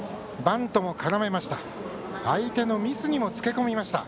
バントも絡めました。